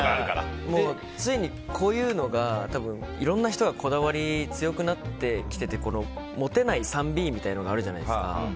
ついにこういうのがいろんな人が、こだわりが強くなってきててモテない３Ｂみたいなのがあるじゃないですか。